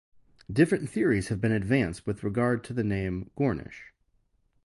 Different theories have been advanced with regard to the name Gornish.